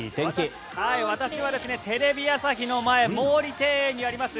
私はテレビ朝日の前毛利庭園にあります